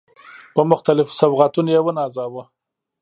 په مختلفو سوغاتونو يې ونازاوه.